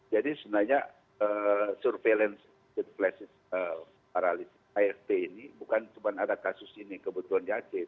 jadi sebenarnya surveillance with paralysis afp ini bukan cuma ada kasus ini kebetulan di aceh